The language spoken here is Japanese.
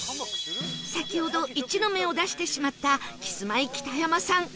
先ほど１の目を出してしまったキスマイ北山さん